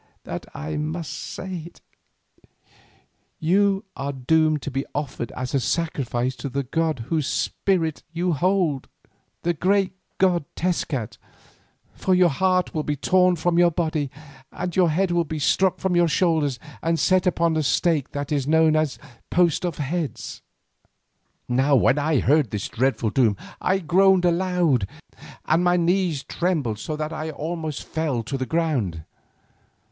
that I must say it, you are doomed to be offered as a sacrifice to the god whose spirit you hold, the great god Tezcat, for your heart will be torn from your body, and your head will be struck from your shoulders and set upon the stake that is known as 'post of heads.'" Now when I heard this dreadful doom I groaned aloud and my knees trembled so that I almost fell to the ground.